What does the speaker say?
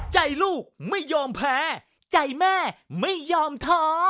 ใจลูกไม่ยอมแพ้ใจแม่ไม่ยอมท้อ